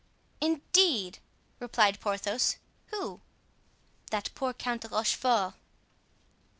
"Indeed!" replied Porthos, "who?" "That poor Count de Rochefort."